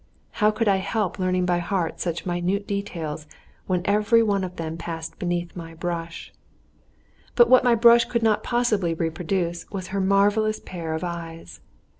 (How could I help learning by heart such minute details when every one of them passed beneath my brush?) But what my brush could not possibly reproduce was her marvellous pair of eyes.